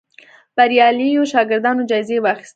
بریالیو شاګردانو جایزې واخیستې